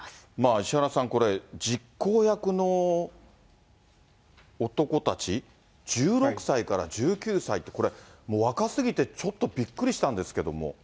石原さん、これ、実行役の男たち、１６歳から１９歳ってこれ、もう、若すぎて、ちょっとびっくりしたんですけども。